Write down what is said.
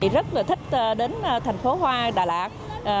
rất là thích đến thành phố hoa đà lạt